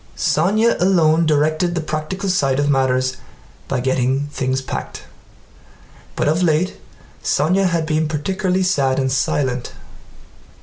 Sónya alone directed the practical side of matters by getting things packed. But of late Sónya had been particularly sad and silent.